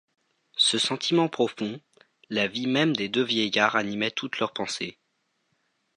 Ce sentiment profond, la vie même des deux vieillards, animait toutes leurs pensées.